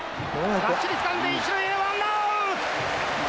がっちりつかんで一塁へワンアウト！